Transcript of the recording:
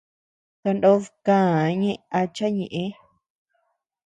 Tanod káa ñe acha ñeʼë.